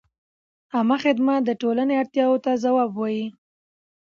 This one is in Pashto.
عامه خدمت د ټولنې اړتیاوو ته ځواب وايي.